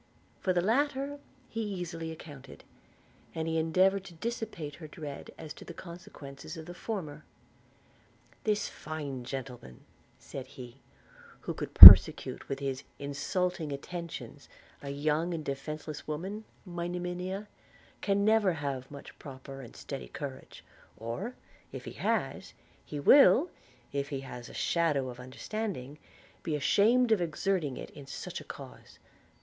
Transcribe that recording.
For the latter he easily accounted; and he endeavoured to dissipate her dread as to the consequences of the former. 'This fine gentleman,' said he, 'who could persecute with his insulting attentions a young and defenceless woman, my Monimia, can never have much proper and steady courage; or, if he has, he will, if he has a shadow of understanding, be ashamed of exerting it in such a cause.